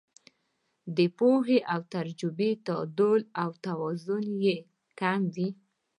د پوهې او تجربې تعدل او توازن یې کم وي.